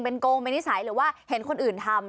โกงเป็นนิสัยหรือว่าเห็นคนอื่นทำ